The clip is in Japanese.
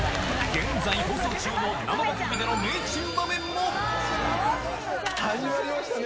現在放送中の生番組での名珍始まりましたね。